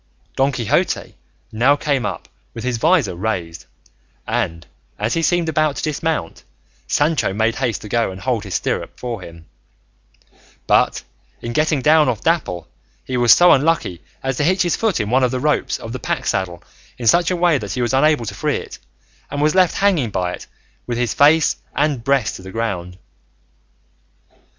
Don Quixote now came up with his visor raised, and as he seemed about to dismount Sancho made haste to go and hold his stirrup for him; but in getting down off Dapple he was so unlucky as to hitch his foot in one of the ropes of the pack saddle in such a way that he was unable to free it, and was left hanging by it with his face and breast on the ground.